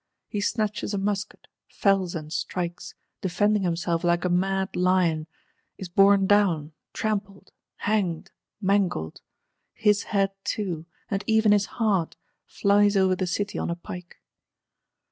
He snatches a musket; fells and strikes, defending himself like a mad lion; is borne down, trampled, hanged, mangled: his Head too, and even his Heart, flies over the City on a pike.